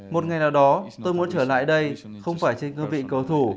một ngày nào đó tôi muốn trở lại đây không phải trên cương vị cầu thủ